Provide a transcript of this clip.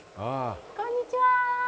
こんにちは。